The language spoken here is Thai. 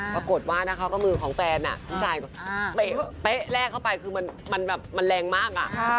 ปรากฏว่านะครับก็มือของแฟนน่ะที่ใส่เป๊ะเป๊ะแลกเข้าไปคือมันแบบมันแรงมากอ่ะ